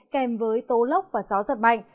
kèm với tố lốc và gió giật mạnh